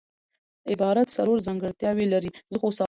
عبارت څلور ځانګړتیاوي لري.